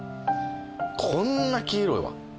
こんな黄色いわ。